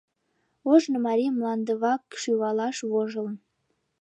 Ожно марий мландывак шӱвалаш вожылын.